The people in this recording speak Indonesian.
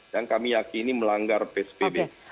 yang kami yakini melanggar psbb